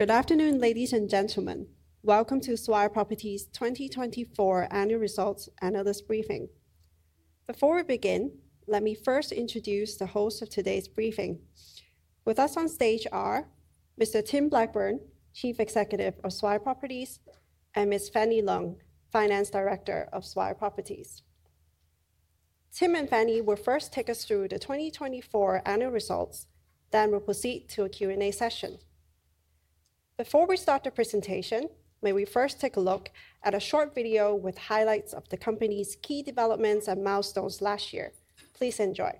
Good afternoon, ladies and gentlemen. Welcome to Swire Properties' 2024 Annual Results Analyst Briefing. Before we begin, let me first introduce the hosts of today's briefing. With us on stage are Mr. Tim Blackburn, Chief Executive of Swire Properties, and Ms. Fanny Lung, Finance Director of Swire Properties. Tim and Fanny will first take us through the 2024 Annual Results, then we'll proceed to a Q&A session. Before we start the presentation, may we first take a look at a short video with highlights of the company's key developments and milestones last year? Please enjoy.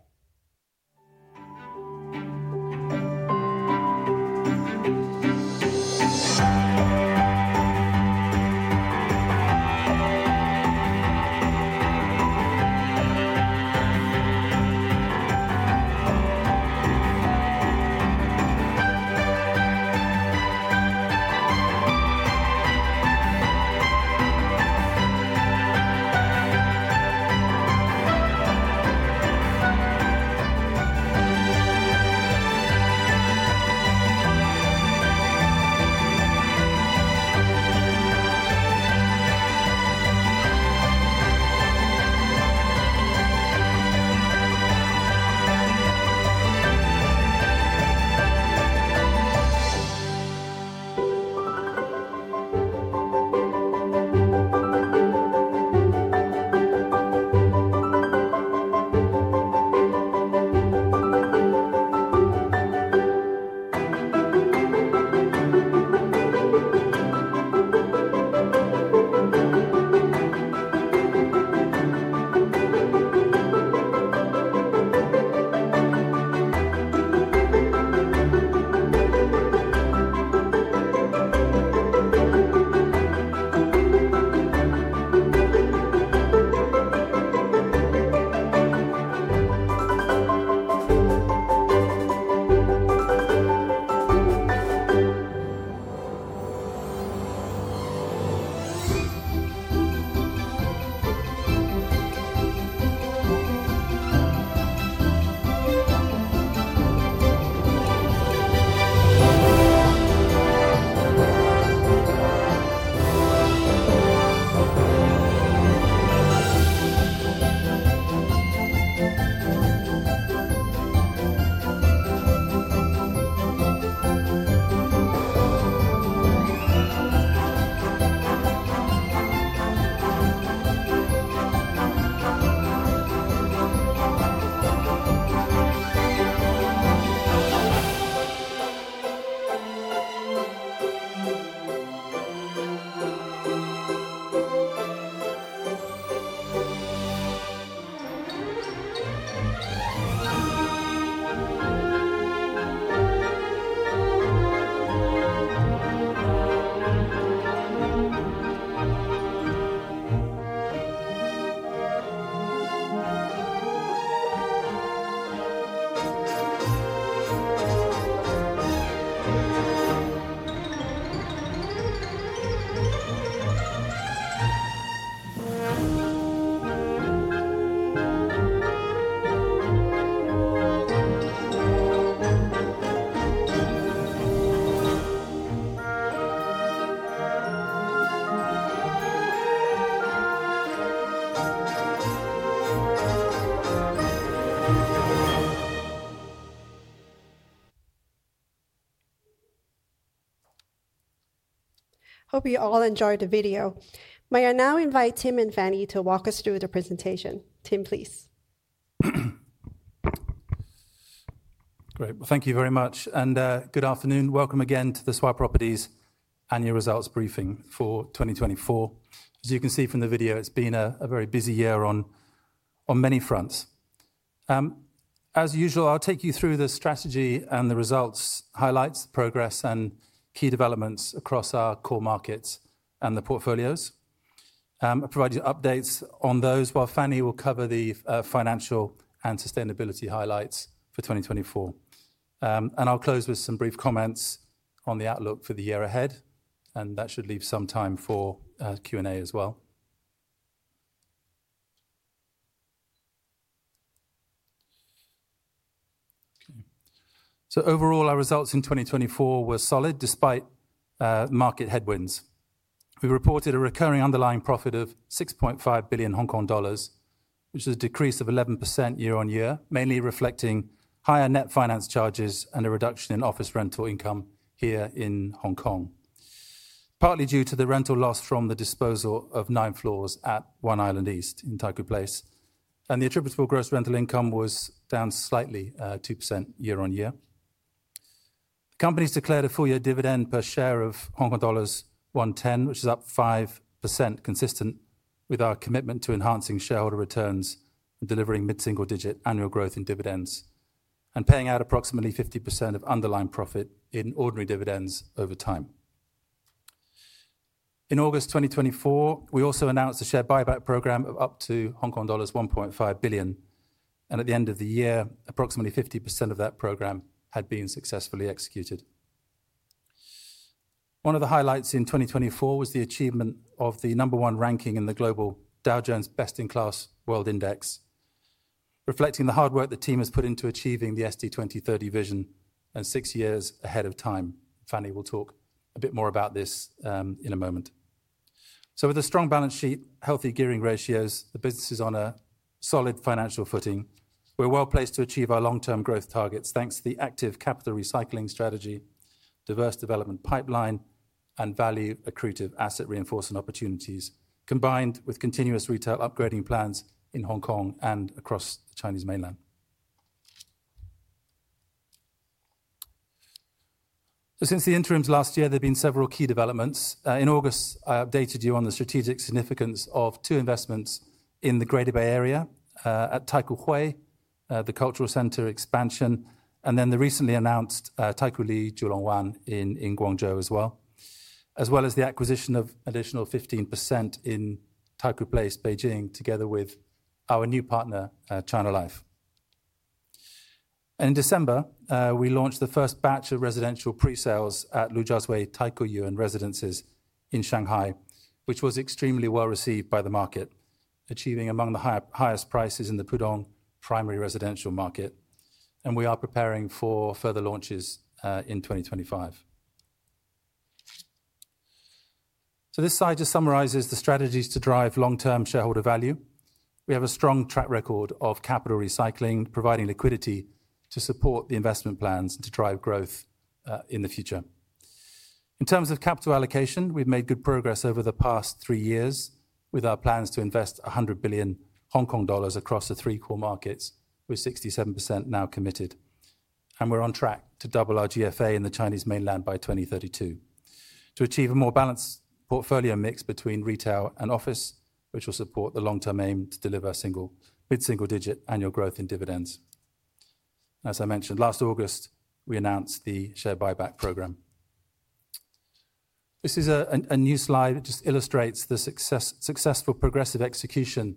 Hope you all enjoyed the video. May I now invite Tim and Fanny to walk us through the presentation? Tim, please. Great. Thank you very much. Good afternoon. Welcome again to the Swire Properties Annual Results Briefing for 2024. As you can see from the video, it's been a very busy year on many fronts. As usual, I'll take you through the strategy and the results, highlight the progress and key developments across our core markets and the portfolios. I'll provide you updates on those, while Fanny will cover the financial and sustainability highlights for 2024. I'll close with some brief comments on the outlook for the year ahead. That should leave some time for Q&A as well. Overall, our results in 2024 were solid despite market headwinds. We reported a recurring underlying profit of 6.5 billion Hong Kong dollars, which is a decrease of 11% year-on-year, mainly reflecting higher net finance charges and a reduction in office rental income here in Hong Kong, partly due to the rental loss from the disposal of nine floors at One Island East in Taikoo Place. The attributable gross rental income was down slightly, 2% year-on-year. The company has declared a full-year dividend per share of Hong Kong dollars 1.10, which is up 5%, consistent with our commitment to enhancing shareholder returns and delivering mid-single-digit annual growth in dividends and paying out approximately 50% of underlying profit in ordinary dividends over time. In August 2024, we also announced a share buy-back program of up to Hong Kong dollars 1.5 billion. At the end of the year, approximately 50% of that program had been successfully executed. One of the highlights in 2024 was the achievement of the number one ranking in the global Dow Jones Best-in-Class World Index, reflecting the hard work the team has put into achieving the SD 2030 vision and six years ahead of time. Fanny will talk a bit more about this in a moment. With a strong balance sheet, healthy gearing ratios, the business is on a solid financial footing. We're well placed to achieve our long-term growth targets thanks to the active capital recycling strategy, diverse development pipeline, and value-accretive asset reinforcement opportunities, combined with continuous retail upgrading plans in Hong Kong and across the Chinese Mainland. Since the interim's last year, there have been several key developments. In August, I updated you on the strategic significance of two investments in the Greater Bay Area at Taikoo Hui, the cultural center expansion, and the recently announced Taikoo Li Julong Wan in Guangzhou as well, as well as the acquisition of an additional 15% in Taikoo Place, Beijing, together with our new partner, China Life. In December, we launched the first batch of residential pre-sales at Lujiazui Taikoo Yuan Residences in Shanghai, which was extremely well received by the market, achieving among the highest prices in the Pudong primary residential market. We are preparing for further launches in 2025. This slide just summarizes the strategies to drive long-term shareholder value. We have a strong track record of capital recycling, providing liquidity to support the investment plans and to drive growth in the future. In terms of capital allocation, we've made good progress over the past three years with our plans to invest 100 billion Hong Kong dollars across the three core markets, with 67% now committed. We are on track to double our GFA in the Chinese Mainland by 2032 to achieve a more balanced portfolio mix between retail and office, which will support the long-term aim to deliver a mid-single-digit annual growth in dividends. As I mentioned, last August, we announced the share buy-back program. This is a new slide that just illustrates the successful progressive execution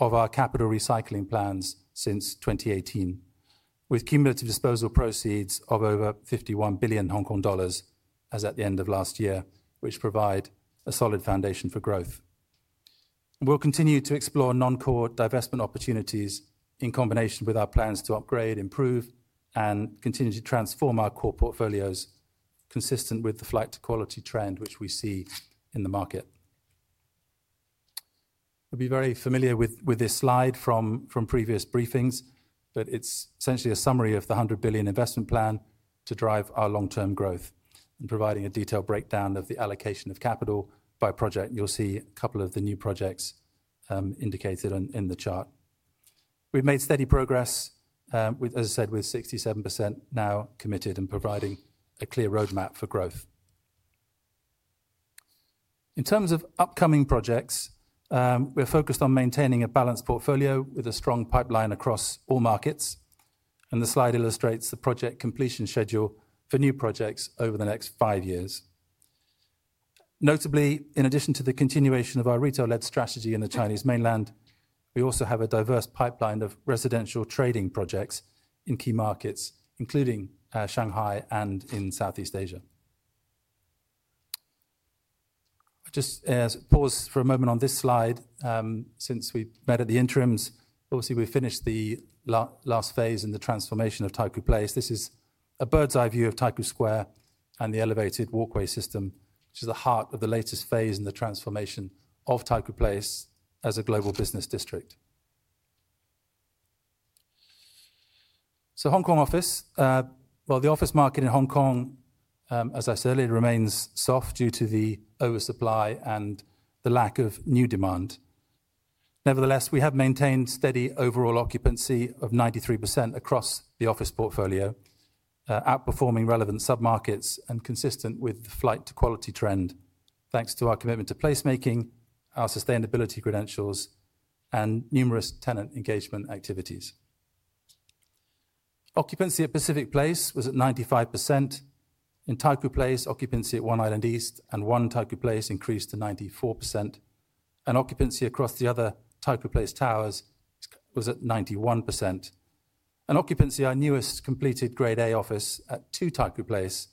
of our capital recycling plans since 2018, with cumulative disposal proceeds of over 51 billion Hong Kong dollars as at the end of last year, which provide a solid foundation for growth. We'll continue to explore non-core divestment opportunities in combination with our plans to upgrade, improve, and continue to transform our core portfolios, consistent with the flight-to-quality trend, which we see in the market. You will be very familiar with this slide from previous briefings, but it is essentially a summary of the 100 billion investment plan to drive our long-term growth and providing a detailed breakdown of the allocation of capital by project. You will see a couple of the new projects indicated in the chart. We have made steady progress, as I said, with 67% now committed and providing a clear roadmap for growth. In terms of upcoming projects, we are focused on maintaining a balanced portfolio with a strong pipeline across all markets. The slide illustrates the project completion schedule for new projects over the next five years. Notably, in addition to the continuation of our retail-led strategy in the Chinese Mainland, we also have a diverse pipeline of residential trading projects in key markets, including Shanghai and in Southeast Asia. I'll just pause for a moment on this slide. Since we met at the interims, obviously, we finished the last phase in the transformation of Taikoo Place. This is a bird's-eye view of Taikoo Square and the elevated walkway system, which is the heart of the latest phase in the transformation of Taikoo Place as a global business district. Hong Kong Office, well, the office market in Hong Kong, as I said earlier, remains soft due to the oversupply and the lack of new demand. Nevertheless, we have maintained steady overall occupancy of 93% across the office portfolio, outperforming relevant sub-markets and consistent with the flight-to-quality trend, thanks to our commitment to placemaking, our sustainability credentials, and numerous tenant engagement activities. Occupancy at Pacific Place was at 95%. In Taikoo Place, occupancy at One Island East and One Taikoo Place increased to 94%. Occupancy across the other Taikoo Place towers was at 91%. Occupancy at our newest completed Grade A office at Two Taikoo Place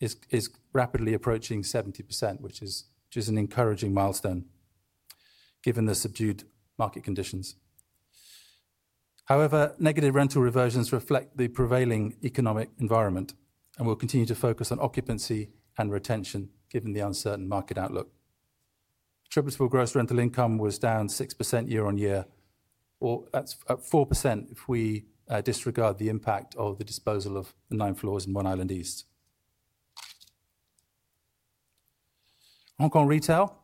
is rapidly approaching 70%, which is an encouraging milestone given the subdued market conditions. However, negative rental reversions reflect the prevailing economic environment, and we'll continue to focus on occupancy and retention given the uncertain market outlook. Attributable gross rental income was down 6% year-on-year, or that's 4% if we disregard the impact of the disposal of the nine floors in One Island East. Hong Kong Retail,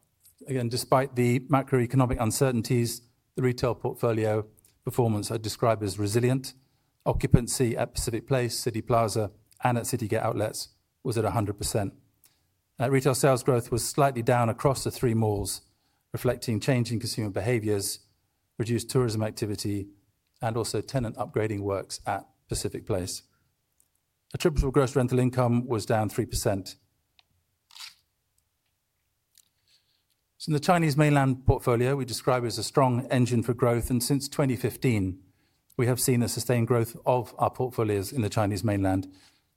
again, despite the macroeconomic uncertainties, the retail portfolio performance I described as resilient. Occupancy at Pacific Place, Cityplaza, and at Citygate Outlets was at 100%. Retail sales growth was slightly down across the three malls, reflecting changing consumer behaviors, reduced tourism activity, and also tenant upgrading works at Pacific Place. Attributable gross rental income was down 3%. In the Chinese Mainland portfolio, we describe it as a strong engine for growth. Since 2015, we have seen a sustained growth of our portfolios in the Chinese Mainland,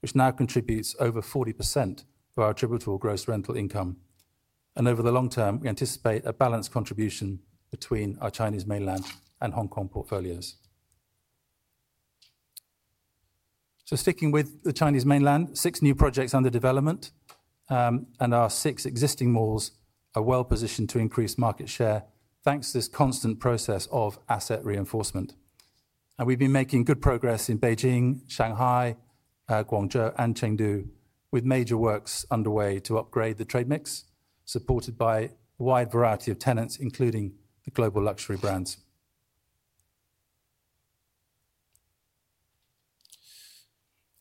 which now contributes over 40% of our attributable gross rental income. Over the long term, we anticipate a balanced contribution between our Chinese Mainland and Hong Kong portfolios. Sticking with the Chinese Mainland, six new projects under development and our six existing malls are well positioned to increase market share thanks to this constant process of asset reinforcement. We have been making good progress in Beijing, Shanghai, Guangzhou, and Chengdu, with major works underway to upgrade the trade mix, supported by a wide variety of tenants, including the global luxury brands.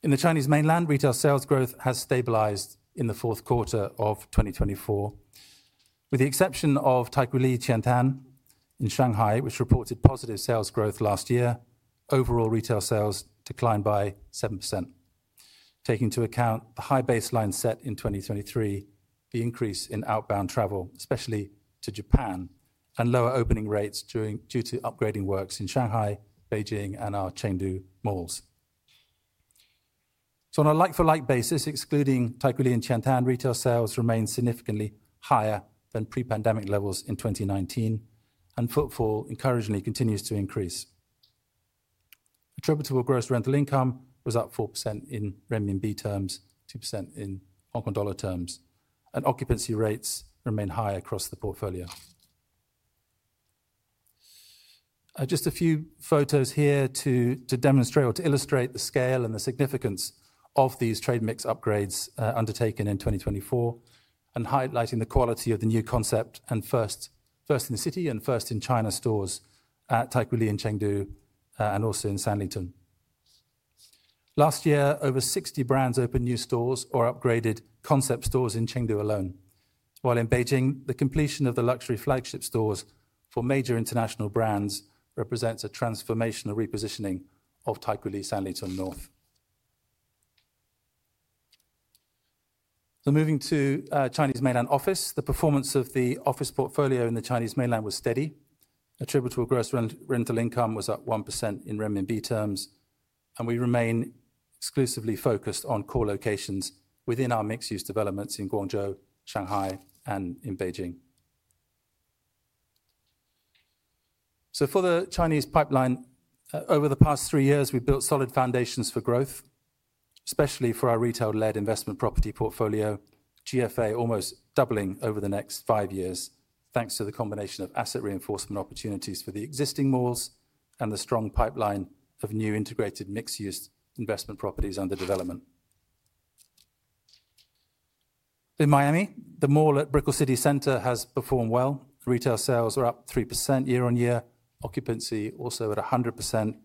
In the Chinese Mainland, retail sales growth has stabilized in the fourth quarter of 2024. With the exception of Taikoo Li Qiantan in Shanghai, which reported positive sales growth last year, overall retail sales declined by 7%. Taking into account the high baseline set in 2023, the increase in outbound travel, especially to Japan, and lower opening rates due to upgrading works in Shanghai, Beijing, and our Chengdu malls. On a like-for-like basis, excluding Taikoo Li Qiantan, retail sales remain significantly higher than pre-pandemic levels in 2019, and footfall encouragingly continues to increase. Attributable gross rental income was up 4% in Renminbi terms, 2% in Hong Kong dollar terms, and occupancy rates remain high across the portfolio. Just a few photos here to demonstrate or to illustrate the scale and the significance of these trade mix upgrades undertaken in 2024 and highlighting the quality of the new concept and first-in-the-city and first-in-China stores at Taikoo Li in Chengdu and also in Taikoo Li Sanlitun. Last year, over 60 brands opened new stores or upgraded concept stores in Chengdu alone, while in Beijing, the completion of the luxury flagship stores for major international brands represents a transformational repositioning of Taikoo Li Sanlitun North. Moving to Chinese Mainland Office, the performance of the office portfolio in the Chinese Mainland was steady. Attributable gross rental income was up 1% in Renminbi terms, and we remain exclusively focused on core locations within our mixed-use developments in Guangzhou, Shanghai, and in Beijing. For the Chinese pipeline, over the past three years, we built solid foundations for growth, especially for our retail-led investment property portfolio, GFA almost doubling over the next five years, thanks to the combination of asset reinforcement opportunities for the existing malls and the strong pipeline of new integrated mixed-use investment properties under development. In Miami, the mall at Brickell City Centre has performed well. Retail sales are up 3% year-on-year. Occupancy also at 100%.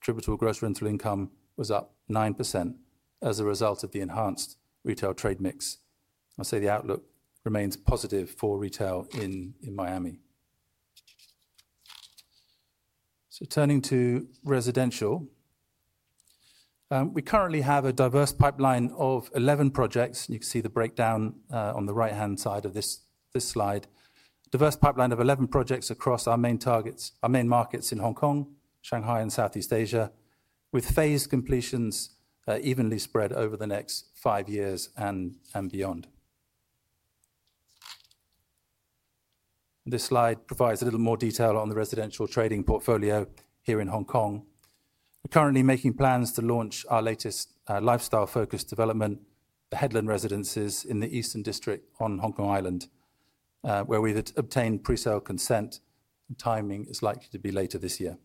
Attributable gross rental income was up 9% as a result of the enhanced retail trade mix. I will say the outlook remains positive for retail in Miami. Turning to residential, we currently have a diverse pipeline of 11 projects. You can see the breakdown on the right-hand side of this slide. Diverse pipeline of 11 projects across our main targets, our main markets in Hong Kong, Shanghai, and Southeast Asia, with phased completions evenly spread over the next five years and beyond. This slide provides a little more detail on the residential trading portfolio here in Hong Kong. We're currently making plans to launch our latest lifestyle-focused development, The Headland Residences in the Eastern District on Hong Kong Island, where we've obtained pre-sale consent. Timing is likely to be later this year.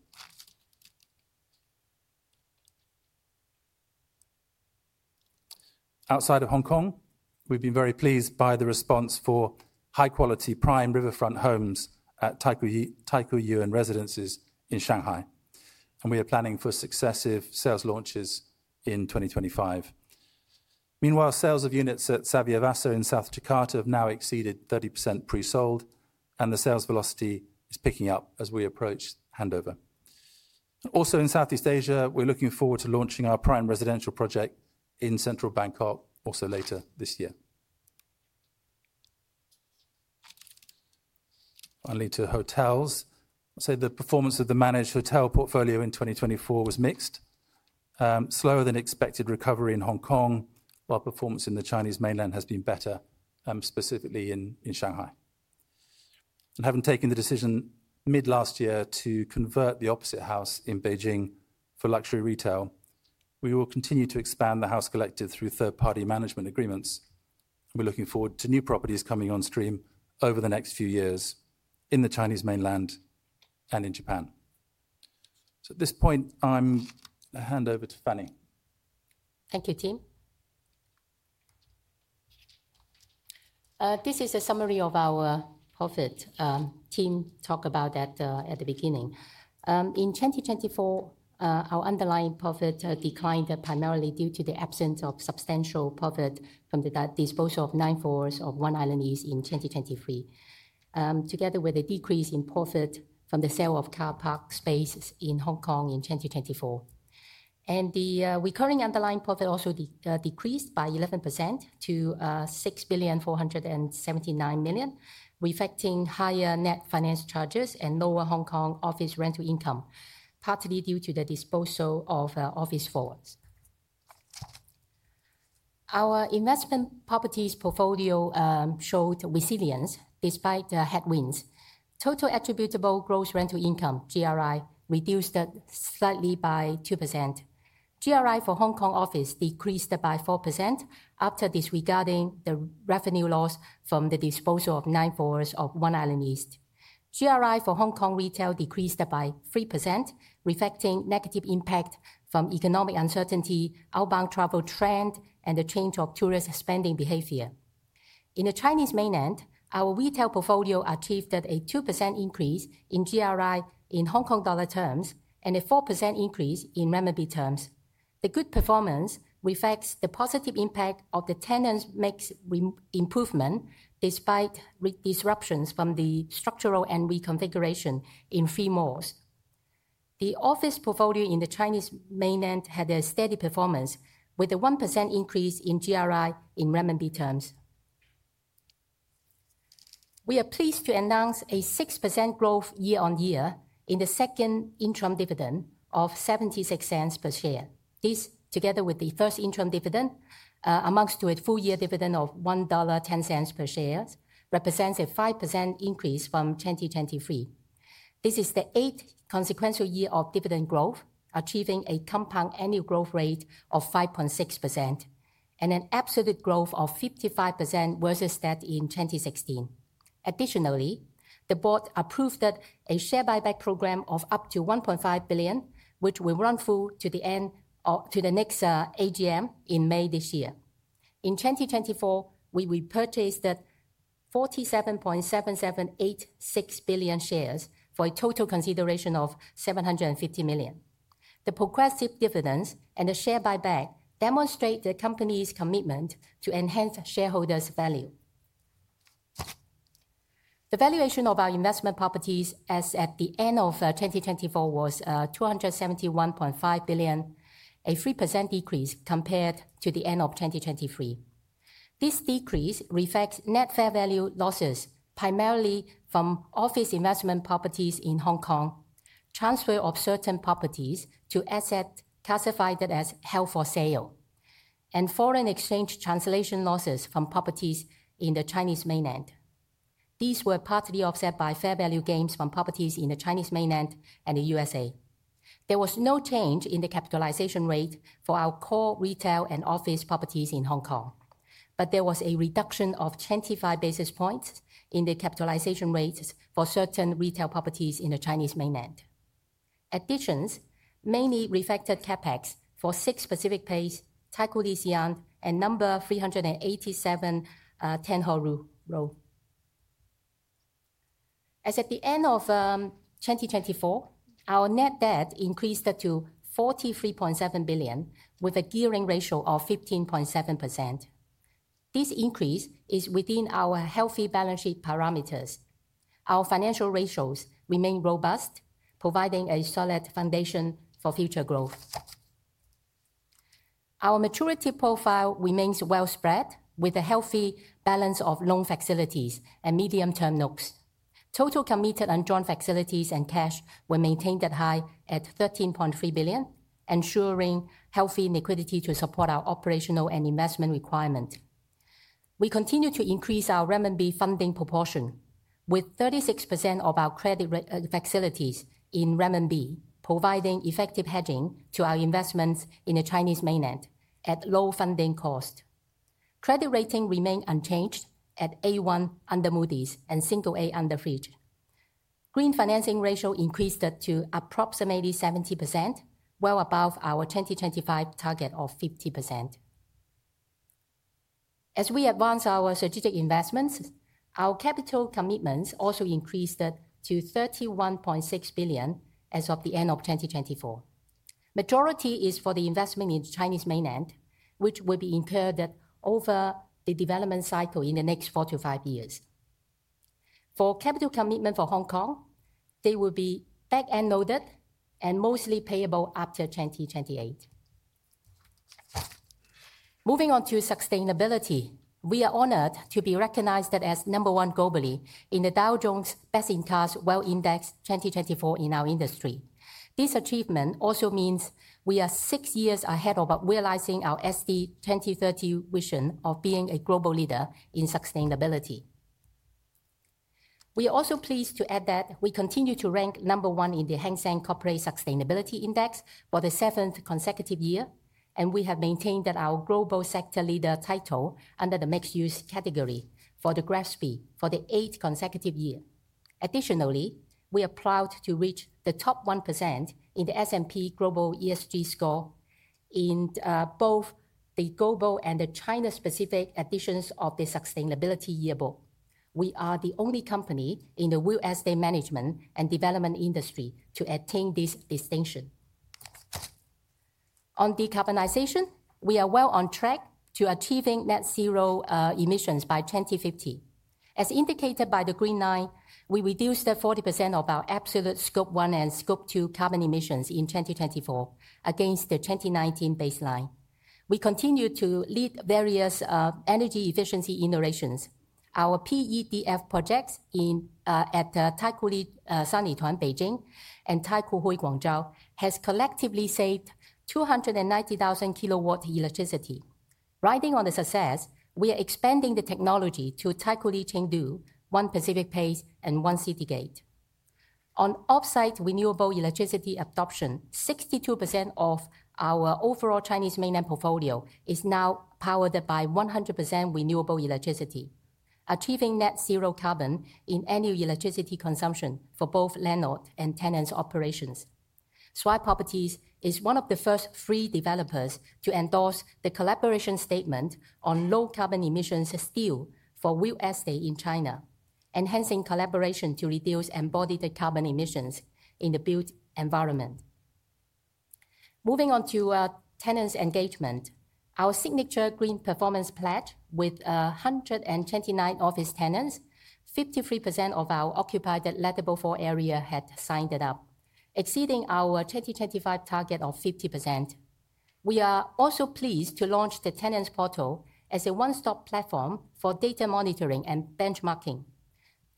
Outside of Hong Kong, we've been very pleased by the response for high-quality prime riverfront homes at Taikoo Yuan residences in Shanghai, and we are planning for successive sales launches in 2025. Meanwhile, sales of units at Savyavasa in South Jakarta have now exceeded 30% pre-sold, and the sales velocity is picking up as we approach handover. Also in Southeast Asia, we're looking forward to launching our prime residential project in central Bangkok also later this year. Finally, to hotels, I'll say the performance of the managed hotel portfolio in 2024 was mixed, slower than expected recovery in Hong Kong, while performance in the Chinese Mainland has been better, specifically in Shanghai. Having taken the decision mid-last year to convert The Opposite House in Beijing for luxury retail, we will continue to expand The House Collective through third-party management agreements. We're looking forward to new properties coming on stream over the next few years in the Chinese Mainland and in Japan. At this point, I'm going to hand over to Fanny. Thank you, Tim. This is a summary of our profit. Tim talked about that at the beginning. In 2024, our underlying profit declined primarily due to the absence of substantial profit from the disposal of nine floors of One Island East in 2023, together with a decrease in profit from the sale of car park space in Hong Kong in 2024. The recurring underlying profit also decreased by 11% to 6.479 billion, reflecting higher net finance charges and lower Hong Kong Office rental income, partly due to the disposal of office floors. Our investment properties portfolio showed resilience despite the headwinds. Total attributable gross rental income (GRI) reduced slightly by 2%. GRI for Hong Kong Office decreased by 4% after disregarding the revenue loss from the disposal of nine floors of One Island East. GRI for Hong Kong Retail decreased by 3%, reflecting negative impact from economic uncertainty, outbound travel trend, and the change of tourist spending behavior. In the Chinese Mainland, our retail portfolio achieved a 2% increase in GRI in HKD terms and a 4% increase in Renminbi terms. The good performance reflects the positive impact of the tenants' mix improvement despite disruptions from the structural and reconfiguration in three malls. The office portfolio in the Chinese Mainland had a steady performance with a 1% increase in GRI in Renminbi terms. We are pleased to announce a 6% growth year-on-year in the second interim dividend of 0.76 per share. This, together with the first interim dividend amongst a full-year dividend of 1.10 dollar per share, represents a 5% increase from 2023. This is the eighth consequential year of dividend growth, achieving a compound annual growth rate of 5.6% and an absolute growth of 55% versus that in 2016. Additionally, the board approved a share buy-back program of up to 1.5 billion, which will run full to the end of the next AGM in May this year. In 2024, we repurchased 47.7786 million shares for a total consideration of 750 million. The progressive dividends and the share buy-back demonstrate the company's commitment to enhance shareholders' value. The valuation of our investment properties as at the end of 2024 was 271.5 billion, a 3% decrease compared to the end of 2023. This decrease reflects net fair value losses primarily from office investment properties in Hong Kong, transfer of certain properties to assets classified as held for sale, and foreign exchange translation losses from properties in the Chinese Mainland. These were partly offset by fair value gains from properties in the Chinese Mainland and the USA. There was no change in the capitalization rate for our core retail and office properties in Hong Kong, but there was a reduction of 25 basis points in the capitalization rates for certain retail properties in the Chinese Mainland. Additions mainly reflected CapEx for Six Pacific Place, Taikoo Li Xi'an, and No. 387 Tianhe Road. As at the end of 2024, our net debt increased to 43.7 billion with a gearing ratio of 15.7%. This increase is within our healthy balance sheet parameters. Our financial ratios remain robust, providing a solid foundation for future growth. Our maturity profile remains well spread with a healthy balance of loan facilities and medium-term notes. Total committed and joint facilities and cash were maintained at high at 13.3 billion, ensuring healthy liquidity to support our operational and investment requirements. We continue to increase our Renminbi funding proportion, with 36% of our credit facilities in Renminbi, providing effective hedging to our investments in the Chinese Mainland at low funding cost. Credit rating remained unchanged at A1 under Moody's and single A under Fitch. Green financing ratio increased to approximately 70%, well above our 2025 target of 50%. As we advance our strategic investments, our capital commitments also increased to 31.6 billion as of the end of 2024. Majority is for the investment in the Chinese Mainland, which will be incurred over the development cycle in the next four years-five years. For capital commitment for Hong Kong, they will be back-end noted and mostly payable after 2028. Moving on to sustainability, we are honored to be recognized as number one globally in the Dow Jones Best-in-Class World Index 2024 in our industry. This achievement also means we are six years ahead of realizing our SD 2030 vision of being a global leader in sustainability. We are also pleased to add that we continue to rank number one in the Hang Seng Corporate Sustainability Index for the seventh consecutive year, and we have maintained our Global Sector Leader title under the mixed-use category for the GRESB for the eighth consecutive year. Additionally, we are proud to reach the top 1% in the S&P Global ESG Score in both the global and the China-specific editions of the Sustainability Yearbook. We are the only company in the real estate management and development industry to attain this distinction. On decarbonization, we are well on track to achieving net zero emissions by 2050. As indicated by the Green Line, we reduced 40% of our absolute scope one and scope two carbon emissions in 2024 against the 2019 baseline. We continue to lead various energy efficiency iterations. Our PEDF projects at Taikoo Li Sanlitun, Beijing, and Taikoo Hui, Guangzhou, have collectively saved 290,000 kW electricity. Riding on the success, we are expanding the technology to Taikoo Li Chengdu, One Pacific Place, and One Citygate. On offsite renewable electricity adoption, 62% of our overall Chinese Mainland portfolio is now powered by 100% renewable electricity, achieving net zero carbon in annual electricity consumption for both landlord and tenants' operations. Swire Properties is one of the first three developers to endorse the collaboration statement on low carbon emissions steel for real estate in China, enhancing collaboration to reduce embodied carbon emissions in the built environment. Moving on to tenants' engagement, our signature Green Performance Pledge with 129 office tenants, 53% of our occupied lettable floor area had signed it up, exceeding our 2025 target of 50%. We are also pleased to launch the tenants' portal as a one-stop platform for data monitoring and benchmarking.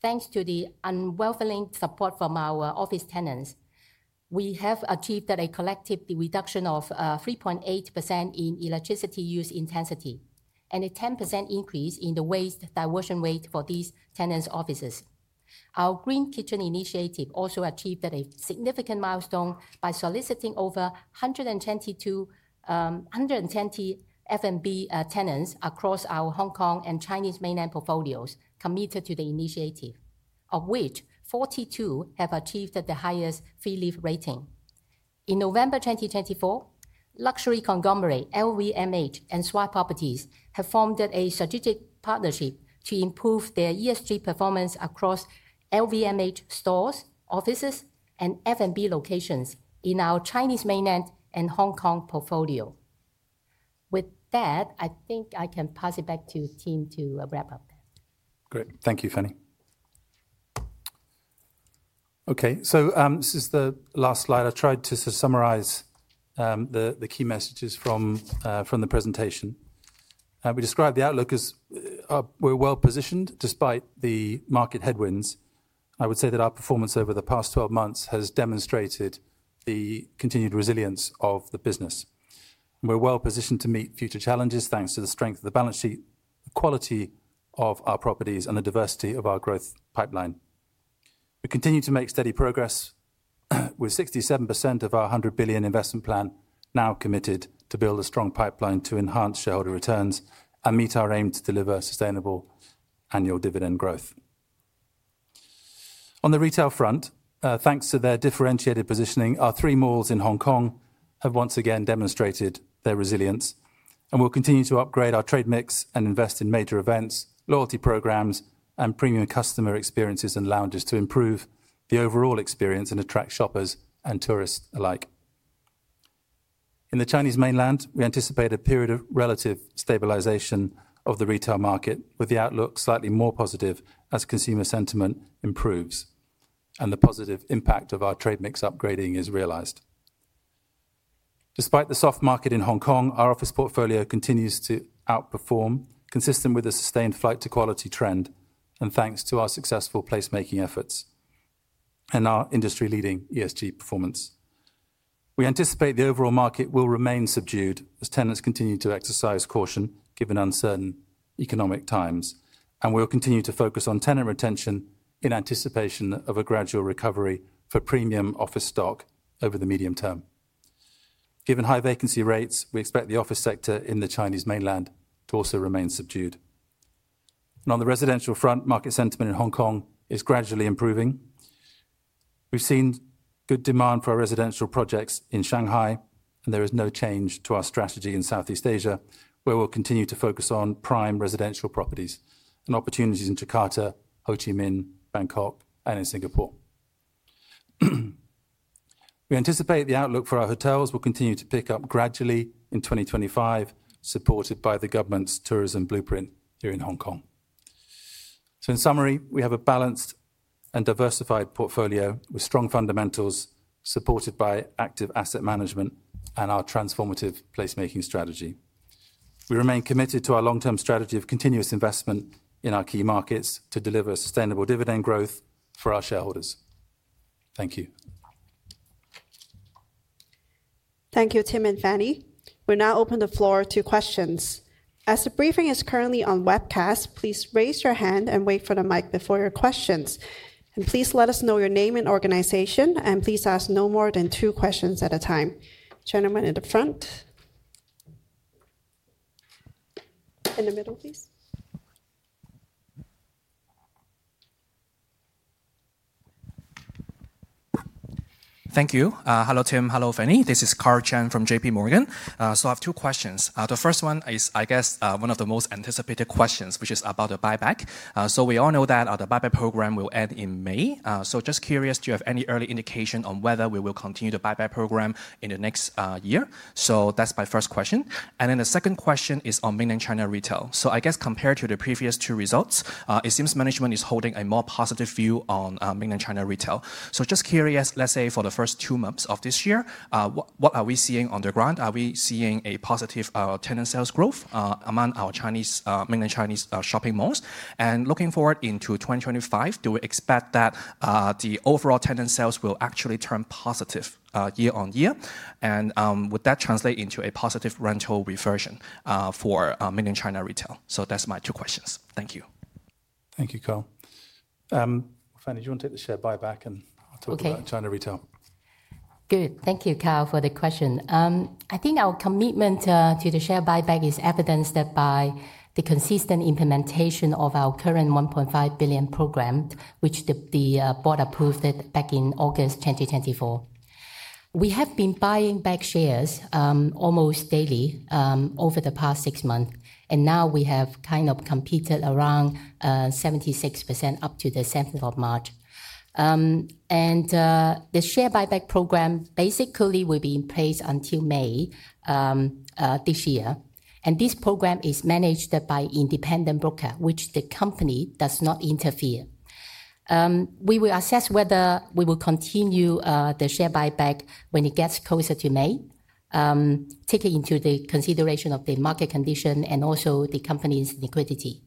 Thanks to the unwavering support from our office tenants, we have achieved a collective reduction of 3.8% in electricity use intensity and a 10% increase in the waste diversion rate for these tenants' offices. Our Green Kitchen Initiative also achieved a significant milestone by soliciting over 120 F&B tenants across our Hong Kong and Chinese Mainland portfolios committed to the initiative, of which 42 have achieved the highest Three Leaf rating. In November 2024, luxury conglomerate LVMH and Swire Properties have formed a strategic partnership to improve their ESG performance across LVMH stores, offices, and F&B locations in our Chinese Mainland and Hong Kong portfolio. With that, I think I can pass it back to Tim to wrap up. Great. Thank you, Fanny. Okay, this is the last slide. I tried to summarize the key messages from the presentation. We described the outlook as we're well positioned despite the market headwinds. I would say that our performance over the past 12 months has demonstrated the continued resilience of the business. We're well positioned to meet future challenges thanks to the strength of the balance sheet, the quality of our properties, and the diversity of our growth pipeline. We continue to make steady progress with 67% of our 100 billion investment plan now committed to build a strong pipeline to enhance shareholder returns and meet our aim to deliver sustainable annual dividend growth. On the retail front, thanks to their differentiated positioning, our three malls in Hong Kong have once again demonstrated their resilience, and we'll continue to upgrade our trade mix and invest in major events, loyalty programs, and premium customer experiences and lounges to improve the overall experience and attract shoppers and tourists alike. In the Chinese Mainland, we anticipate a period of relative stabilization of the retail market, with the outlook slightly more positive as consumer sentiment improves and the positive impact of our trade mix upgrading is realized. Despite the soft market in Hong Kong, our office portfolio continues to outperform, consistent with a sustained flight-to-quality trend, and thanks to our successful placemaking efforts and our industry-leading ESG performance. We anticipate the overall market will remain subdued as tenants continue to exercise caution given uncertain economic times, and we will continue to focus on tenant retention in anticipation of a gradual recovery for premium office stock over the medium term. Given high vacancy rates, we expect the office sector in the Chinese Mainland to also remain subdued. On the residential front, market sentiment in Hong Kong is gradually improving. We've seen good demand for our residential projects in Shanghai, and there is no change to our strategy in Southeast Asia, where we'll continue to focus on prime residential properties and opportunities in Jakarta, Ho Chi Minh, Bangkok, and in Singapore. We anticipate the outlook for our hotels will continue to pick up gradually in 2025, supported by the government's tourism blueprint here in Hong Kong. In summary, we have a balanced and diversified portfolio with strong fundamentals supported by active asset management and our transformative placemaking strategy. We remain committed to our long-term strategy of continuous investment in our key markets to deliver sustainable dividend growth for our shareholders. Thank you. Thank you, Tim and Fanny. We'll now open the floor to questions. As the briefing is currently on webcast, please raise your hand and wait for the mic before your questions. Please let us know your name and organization, and please ask no more than two questions at a time. Gentlemen at the front, in the middle, please. Thank you. Hello, Tim. Hello, Fanny. This is Karl Chan from JPMorgan. I have two questions. The first one is, I guess, one of the most anticipated questions, which is about the buy-back. We all know that the buy-back program will end in May. I am just curious, do you have any early indication on whether we will continue the buy-back program in the next year? That is my first question. The second question is on Mainland China Retail. I guess compared to the previous two results, it seems management is holding a more positive view on Mainland China Retail. Just curious, let's say for the first two months of this year, what are we seeing on the ground? Are we seeing a positive tenant sales growth among our Chinese Mainland Chinese shopping malls? Looking forward into 2025, do we expect that the overall tenant sales will actually turn positive year-on-year? Would that translate into a positive rental reversion for Mainland China Retail? That's my two questions. Thank you. Thank you, Karl. Fanny, do you want to take the share buy-back and talk about China Retail? Good. Thank you, Karl, for the question. I think our commitment to the share buy-back is evidenced by the consistent implementation of our current 1.5 billion program, which the Board approved back in August 2024. We have been buying back shares almost daily over the past six months, and now we have kind of completed around 76% up to the 7th of March. The share buy-back program basically will be in place until May this year. This program is managed by an independent broker, which the company does not interfere. We will assess whether we will continue the share buy-back when it gets closer to May, taking into consideration the market condition and also the company's liquidity.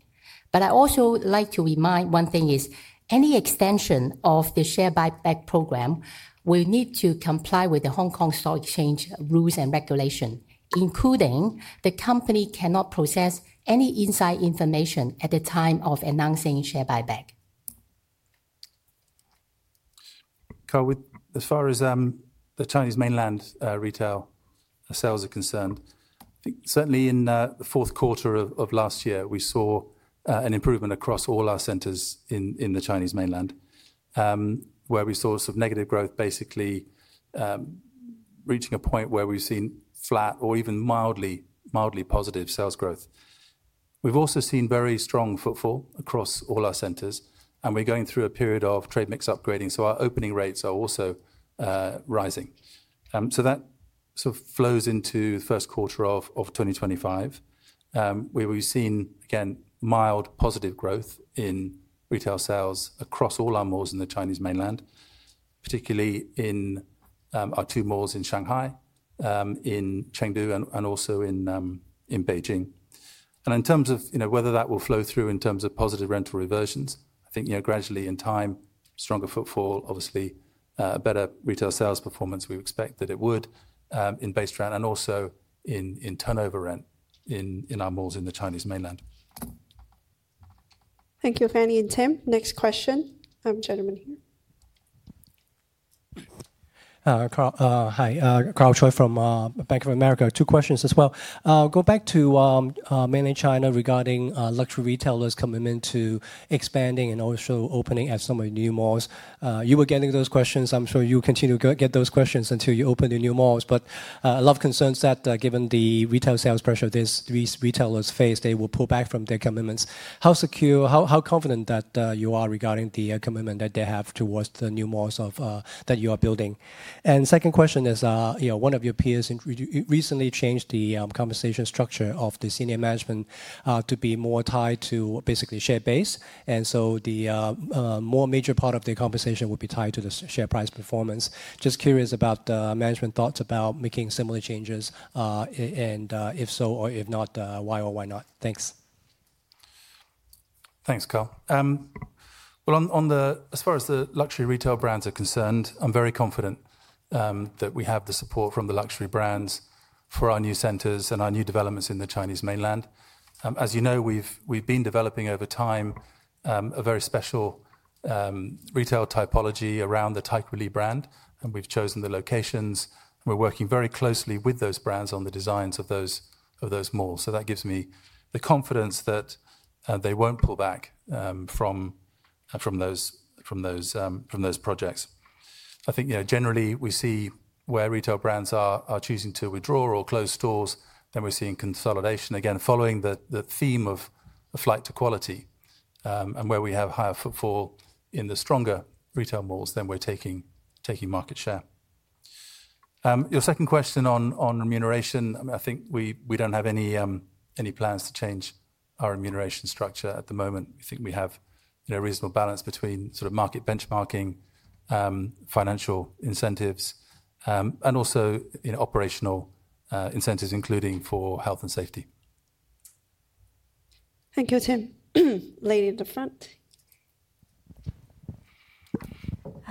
I also like to remind one thing is any extension of the share buy-back program will need to comply with the Hong Kong Stock Exchange rules and regulations, including the company cannot process any inside information at the time of announcing share buy-back. Karl, as far as the Chinese Mainland Retail sales are concerned, I think certainly in the fourth quarter of last year, we saw an improvement across all our centers in the Chinese Mainland, where we saw sort of negative growth basically reaching a point where we've seen flat or even mildly positive sales growth. We've also seen very strong footfall across all our centers, and we're going through a period of trade mix upgrading, so our opening rates are also rising. That sort of flows into the first quarter of 2025, where we've seen, again, mild positive growth in retail sales across all our malls in the Chinese Mainland, particularly in our two malls in Shanghai, in Chengdu, and also in Beijing. In terms of whether that will flow through in terms of positive rental reversions, I think gradually in time, stronger footfall, obviously better retail sales performance, we expect that it would in base rent and also in turnover rent in our malls in the Chinese Mainland. Thank you, Fanny and Tim. Next question. Gentlemen here. Hi, Karl Choi from Bank of America. Two questions as well. Go back to mainland China regarding luxury retailers' commitment to expanding and also opening at some of the new malls. You were getting those questions. I'm sure you will continue to get those questions until you open the new malls. A lot of concerns that given the retail sales pressure these retailers face, they will pull back from their commitments. How secure, how confident that you are regarding the commitment that they have towards the new malls that you are building? Second question is, one of your peers recently changed the compensation structure of the senior management to be more tied to basically share base. The more major part of the compensation will be tied to the share price performance. Just curious about the management thoughts about making similar changes, and if so or if not, why or why not? Thanks. Thanks, Karl. As far as the luxury retail brands are concerned, I'm very confident that we have the support from the luxury brands for our new centers and our new developments in the Chinese Mainland. As you know, we've been developing over time a very special retail typology around the Taikoo Li brand, and we've chosen the locations. We're working very closely with those brands on the designs of those malls. That gives me the confidence that they won't pull back from those projects. I think generally we see where retail brands are choosing to withdraw or close stores, then we're seeing consolidation again following the theme of flight to quality and where we have higher footfall in the stronger retail malls, then we're taking market share. Your second question on remuneration, I think we don't have any plans to change our remuneration structure at the moment. We think we have a reasonable balance between sort of market benchmarking, financial incentives, and also operational incentives, including for health and safety. Thank you, Tim. Lady at the front.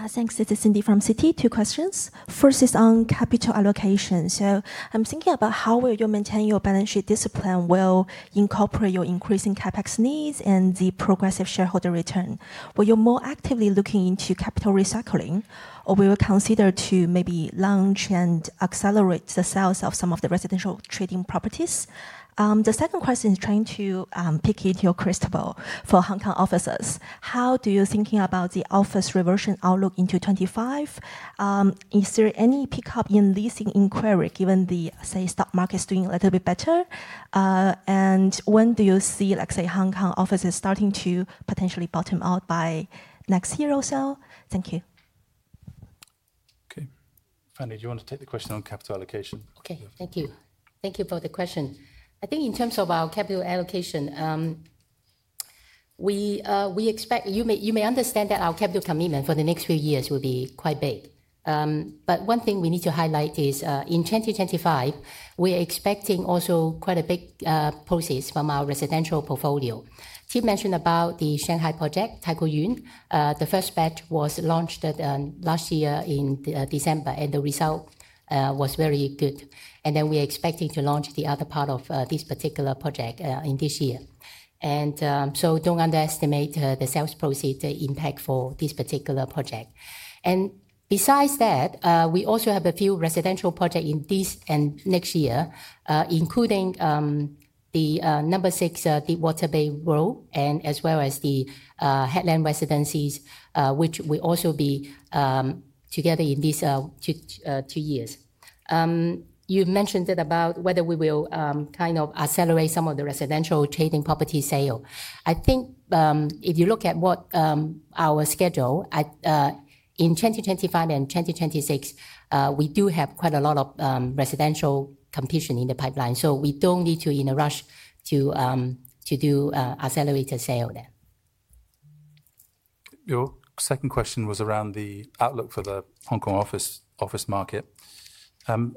Thanks. This is Cindy from Citi. Two questions. First is on capital allocation. I am thinking about how will you maintain your balance sheet discipline while incorporating your increasing CapEx needs and the progressive shareholder return? Will you more actively look into capital recycling, or will you consider to maybe launch and accelerate the sales of some of the residential trading properties? The second question is trying to pick into your crystal ball for Hong Kong Offices. How do you think about the office reversion outlook into 2025? Is there any pickup in leasing inquiry given the, say, stock market's doing a little bit better? When do you see, let's say, Hong Kong Offices starting to potentially bottom out by next year or so? Thank you. Okay. Fanny, do you want to take the question on capital allocation? Okay. Thank you. Thank you for the question. I think in terms of our capital allocation, we expect you may understand that our capital commitment for the next few years will be quite big. One thing we need to highlight is in 2025, we are expecting also quite a big purchase from our residential portfolio. Tim mentioned about the Shanghai project, Taikoo Yuan. The first batch was launched last year in December, and the result was very good. We are expecting to launch the other part of this particular project in this year. Do not underestimate the sales proceeds impact for this particular project. Besides that, we also have a few residential projects in this and next year, including the number 6 Deep Water Bay Road as well as the Headland Residences, which will also be together in these two years. You mentioned about whether we will kind of accelerate some of the residential trading property sale. I think if you look at our schedule, in 2025 and 2026, we do have quite a lot of residential completion in the pipeline. We do not need to rush to do accelerated sale there. Your second question was around the outlook for the Hong Kong Office market.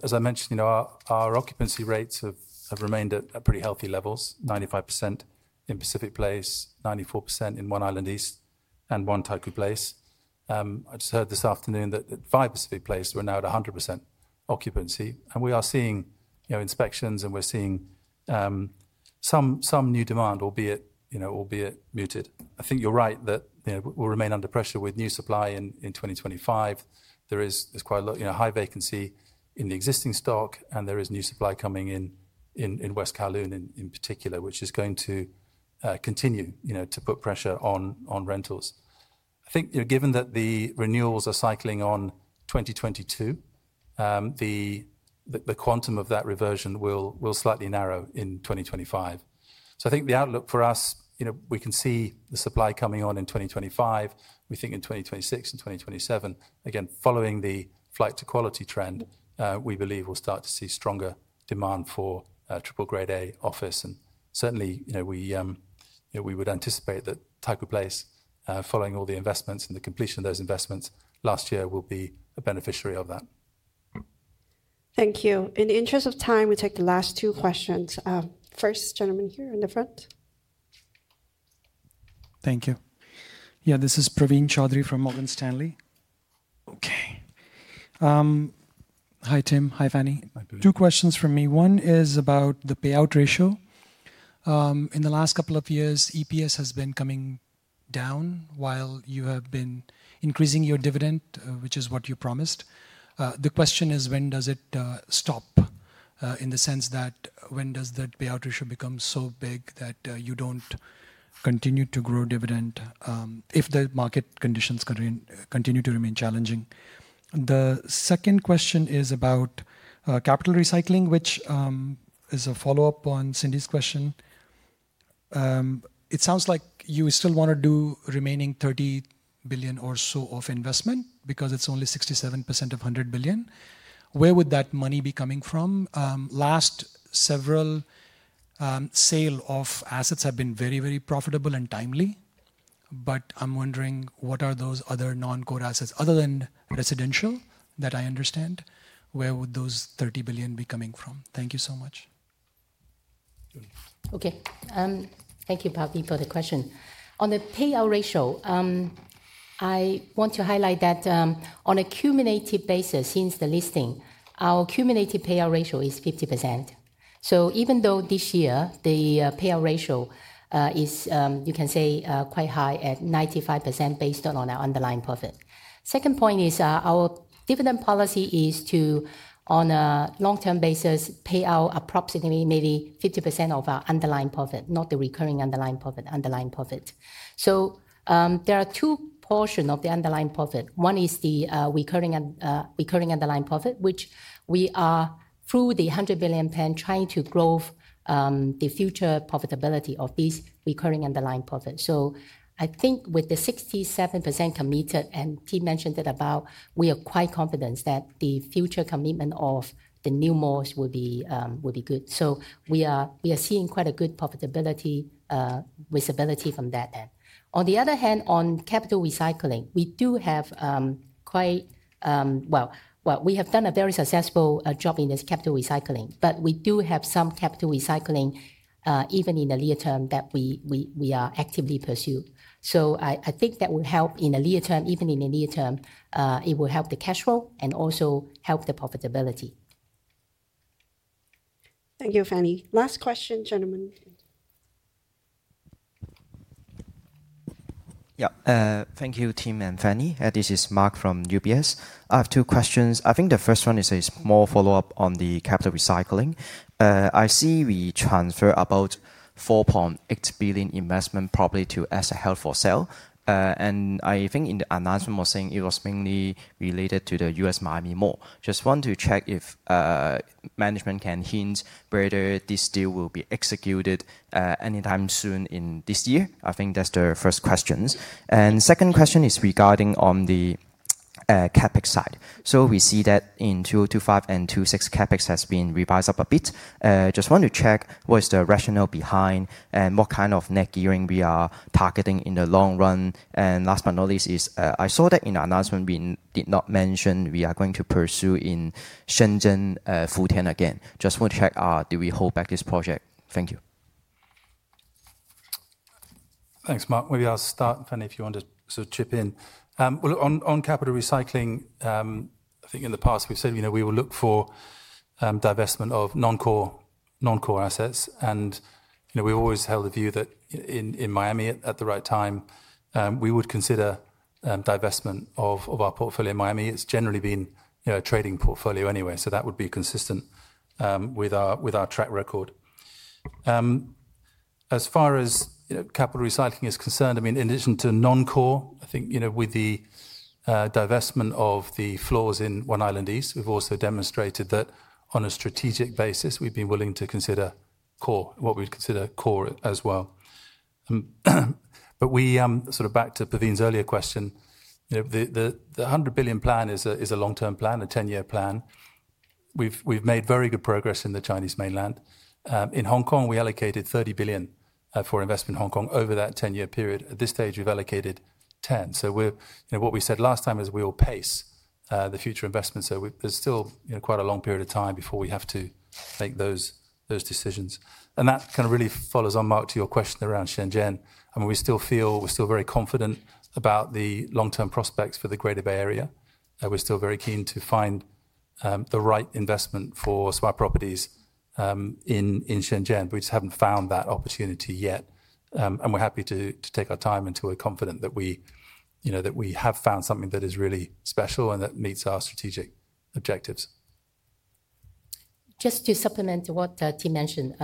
As I mentioned, our occupancy rates have remained at pretty healthy levels, 95% in Pacific Place, 94% in One Island East, and One Taikoo Place. I just heard this afternoon that Pacific Place was now at 100% occupancy. We are seeing inspections, and we are seeing some new demand, albeit muted. I think you are right that we will remain under pressure with new supply in 2025. There is quite a high vacancy in the existing stock, and there is new supply coming in West Kowloon in particular, which is going to continue to put pressure on rentals. I think given that the renewals are cycling on 2022, the quantum of that reversion will slightly narrow in 2025. I think the outlook for us, we can see the supply coming on in 2025. We think in 2026 and 2027, again, following the flight-to-quality trend, we believe we'll start to see stronger demand for triple grade A office. Certainly, we would anticipate that Taikoo Place, following all the investments and the completion of those investments last year, will be a beneficiary of that. Thank you. In the interest of time, we take the last two questions. First, gentlemen here in the front. Thank you. Yeah, this is Praveen Choudhary from Morgan Stanley. Okay. Hi, Tim. Hi, Fanny. Two questions for me. One is about the payout ratio. In the last couple of years, EPS has been coming down while you have been increasing your dividend, which is what you promised. The question is, when does it stop in the sense that when does the payout ratio become so big that you don't continue to grow dividend if the market conditions continue to remain challenging? The second question is about capital recycling, which is a follow-up on Cindy's question. It sounds like you still want to do remaining 30 billion or so of investment because it's only 67% of 100 billion. Where would that money be coming from? Last several sales of assets have been very, very profitable and timely, but I'm wondering what are those other non-core assets other than residential that I understand? Where would those 30 billion be coming from? Thank you so much. Okay. Thank you, Praveen, for the question. On the payout ratio, I want to highlight that on a cumulative basis since the listing, our cumulative payout ratio is 50%. Even though this year the payout ratio is, you can say, quite high at 95% based on our underlying profit. The second point is our dividend policy is to, on a long-term basis, pay out approximately maybe 50% of our underlying profit, not the recurring underlying profit. There are two portions of the underlying profit. One is the recurring underlying profit, which we are, through the 100 billion plan, trying to grow the future profitability of these recurring underlying profits. I think with the 67% committed, and Tim mentioned it about, we are quite confident that the future commitment of the new malls will be good. We are seeing quite a good profitability visibility from that. On the other hand, on capital recycling, we have done a very successful job in this capital recycling, but we do have some capital recycling even in the near term that we are actively pursuing. I think that will help in the near term, even in the near term, it will help the cash flow and also help the profitability. Thank you, Fanny. Last question, gentlemen. Yeah, thank you, Tim and Fanny. This is Mark from UBS. I have two questions. I think the first one is a small follow-up on the capital recycling. I see we transferred about HK$4.8 billion investment probably to asset held for sale. I think in the announcement, we are saying it was mainly related to the U.S. Miami Mall. Just want to check if management can hint whether this deal will be executed anytime soon in this year. I think that's the first question. The second question is regarding on the CapEx side. We see that in 2025 and 2026, CapEx has been revised up a bit. I just want to check what is the rationale behind and what kind of net gearing we are targeting in the long run. Last but not least, I saw that in the announcement, we did not mention we are going to pursue in Shenzhen Futian again. I just want to check, do we hold back this project? Thank you. Thanks, Mark. Maybe I'll start, Fanny, if you want to sort of chip in. On capital recycling, I think in the past, we've said we will look for divestment of non-core assets. We always held the view that in Miami, at the right time, we would consider divestment of our portfolio in Miami. It's generally been a trading portfolio anyway, so that would be consistent with our track record. As far as capital recycling is concerned, I mean, in addition to non-core, I think with the divestment of the floors in One Island East, we've also demonstrated that on a strategic basis, we've been willing to consider core, what we'd consider core as well. Sort of back to Praveen's earlier question, the 100 billion plan is a long-term plan, a 10-year plan. We've made very good progress in the Chinese Mainland. In Hong Kong, we allocated 30 billion for investment in Hong Kong over that 10-year period. At this stage, we've allocated 10 billion. What we said last time is we will pace the future investments. There's still quite a long period of time before we have to make those decisions. That kind of really follows on, Mark, to your question around Shenzhen. I mean, we still feel we're still very confident about the long-term prospects for the Greater Bay Area. We're still very keen to find the right investment for Swire Properties in Shenzhen. We just haven't found that opportunity yet. We're happy to take our time until we're confident that we have found something that is really special and that meets our strategic objectives. Just to supplement what Tim mentioned,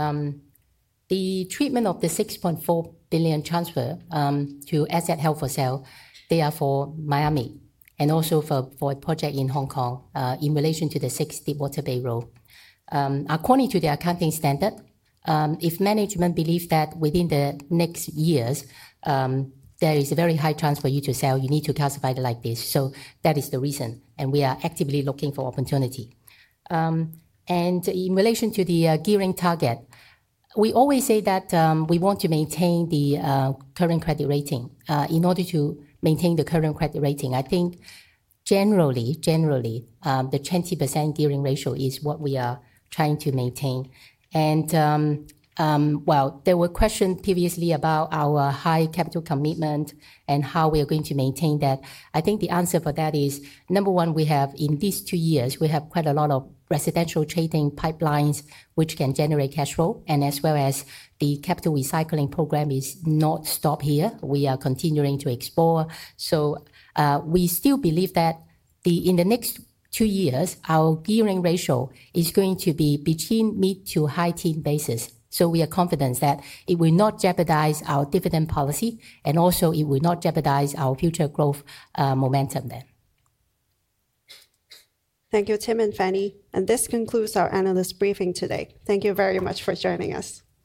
the treatment of the 6.4 billion transfer to asset held for sale, they are for Miami and also for a project in Hong Kong in relation to the 6 Deep Water Bay Road. According to the accounting standard, if management believes that within the next years, there is a very high chance for you to sell, you need to classify it like this. That is the reason. We are actively looking for opportunity. In relation to the gearing target, we always say that we want to maintain the current credit rating. In order to maintain the current credit rating, I think generally, the 20% gearing ratio is what we are trying to maintain. While there were questions previously about our high capital commitment and how we are going to maintain that, I think the answer for that is, number one, in these two years, we have quite a lot of residential trading pipelines which can generate cash flow. As well as the capital recycling program is not stopped here. We are continuing to explore. We still believe that in the next two years, our gearing ratio is going to be between mid-teen to high-teen basis. We are confident that it will not jeopardize our dividend policy and also it will not jeopardize our future growth momentum there. Thank you, Tim and Fanny. This concludes our analyst briefing today. Thank you very much for joining us.